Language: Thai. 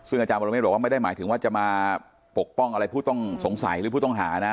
ซึ่งอาจารย์ปรเมฆบอกว่าไม่ได้หมายถึงว่าจะมาปกป้องอะไรผู้ต้องสงสัยหรือผู้ต้องหานะ